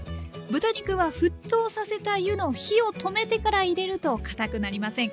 豚肉は沸騰させた湯の火を止めてから入れるとかたくなりません。